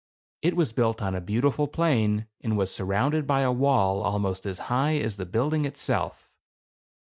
It was built on a beautiful plain, and was surrounded by a wall almost as high as the building itself.